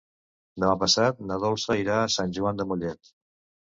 Demà passat na Dolça irà a Sant Joan de Mollet.